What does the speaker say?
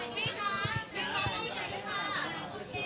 เป็นใครปกติ